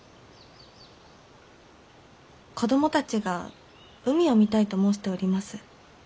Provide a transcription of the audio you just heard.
子供たちが海を見たいと申しております。